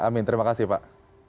amin terima kasih pak